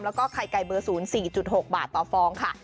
แล้วก็ไข่ไก่เบอร์๐๔๖บาทต่อฟองค่ะ